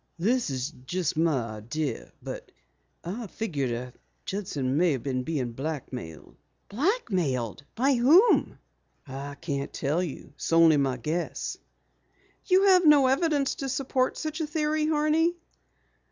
"This is just my own idea, but I figure Judson may have been blackmailed." "Blackmailed! By whom?" "I can't tell you it's only my guess." "You have no evidence to support such a theory, Horney?"